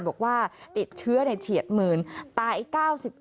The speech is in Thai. บอกว่าติดเชื้อในเฉียดหมื่นตาย๙๙